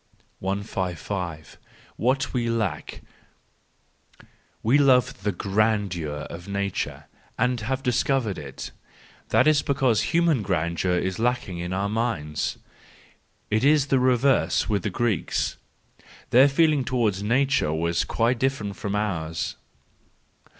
XS 5 What we Lack .—We love the grandeur of Nature and have discovered it; that is because human grandeur is lacking in our minds. It was the reverse with the Greeks: their feeling towards Nature was quite different from ours.